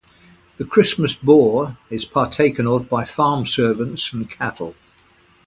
The Christmas Boar is partaken of by farm-servants and cattle.